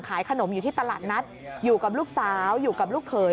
ขายขนมอยู่ที่ตลาดนัดอยู่กับลูกสาวอยู่กับลูกเขย